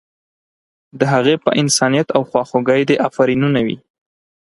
د هغې په انسانیت او خواخوږۍ دې افرینونه وي.